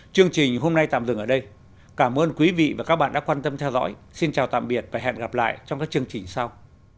chương trình hôm nay tạm dừng ở đây cảm ơn quý vị và các bạn đã quan tâm theo dõi xin chào tạm biệt và hẹn gặp lại trong các chương trình sau